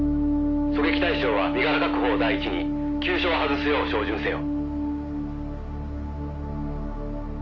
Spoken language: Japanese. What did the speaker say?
狙撃対象は身柄確保を第一に急所は外すよう照準せよ」